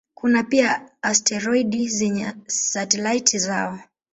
Kuna pia asteroidi zenye satelaiti zao.